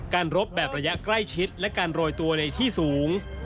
รบแบบระยะใกล้ชิดและการโรยตัวในที่สูง